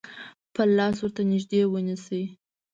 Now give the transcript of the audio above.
خپل لاس ورته نژدې ونیسئ.